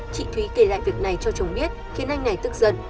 chị thúy kể lại việc này cho chồng biết khiến anh này tức giận